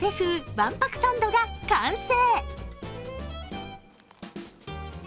わんぱくサンドが完成。